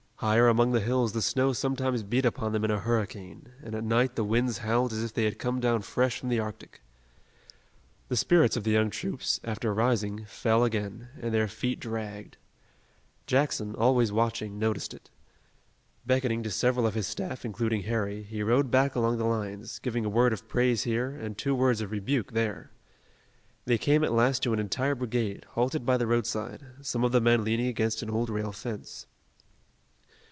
Higher among the hills the snow sometimes beat upon them in a hurricane, and at night the winds howled as if they had come down fresh from the Arctic. The spirits of the young troops, after rising, fell again, and their feet dragged. Jackson, always watching, noticed it. Beckoning to several of his staff, including Harry, he rode back along the lines, giving a word of praise here and two words of rebuke there. They came at last to an entire brigade, halted by the roadside, some of the men leaning against an old rail fence.